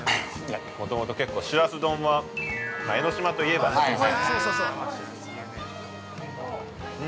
もともと結構しらす丼は江の島といえばという。